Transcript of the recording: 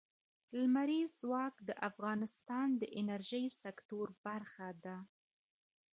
لمریز ځواک د افغانستان د انرژۍ سکتور برخه ده.